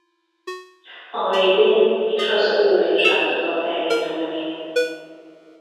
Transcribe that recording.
A vb-n és az ob-n sem tudott elindulni.